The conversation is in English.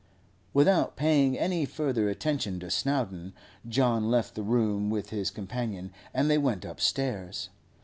Without paying any further attention to Snowdon, John left the room with his companion, and they went upstairs.